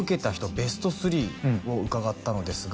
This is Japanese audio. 「ベスト３を伺ったのですが」